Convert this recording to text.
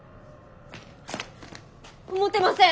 思ってません。